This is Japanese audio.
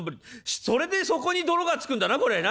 それで底に泥がつくんだなこれな！